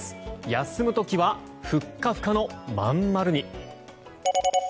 休む時はふっかふかの真ん丸に。